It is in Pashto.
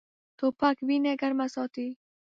توپک وینه ګرمه ساتي.